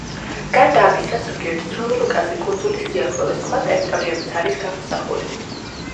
გარდა ამისა, ზოგიერთ ძველ რუკაზე, კუნძულის სიახლოვეს, სხვა ტერიტორიებიც არის გამოსახული.